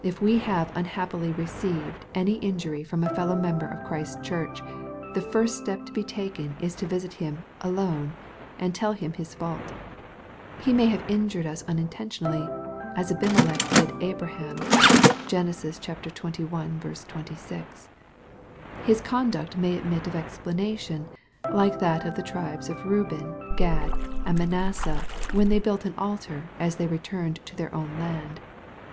If we have unhappily received any injury from a fellow member of Christ's Church, the first step to be taken is to visit him ^' alone/' and tell him his fault. He may have injured us unintentionally, as Abimelech did Abraham. (Gen. xxi. 26.) His conduct may admit of explanation, like that of the tribes of Beuben, Gad, and Manasseh, when they built an altar, as they returned to their own land.